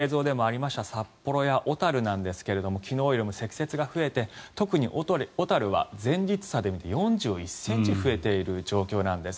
そして、映像でもありました札幌や小樽なんですが昨日よりも積雪が増えて特に小樽は前日差で見て４１ｃｍ増えている状況なんです。